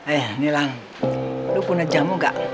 eh nih lan lu punya jamu gak